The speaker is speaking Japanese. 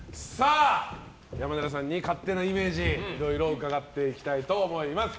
山寺さんに勝手なイメージいろいろ伺っていきたいと思います。